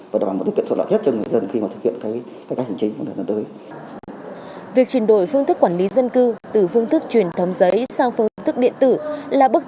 việc chuyển đổi phương thức quản lý dân cư từ phương thức chuyển thống giấy sang phương thức điện tử là bước đầu tiên